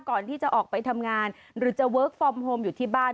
ก่อนที่จะออกไปทำงานหรือจะเวิร์คฟอร์มโฮมอยู่ที่บ้าน